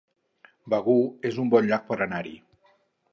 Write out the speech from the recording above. Begur es un bon lloc per anar-hi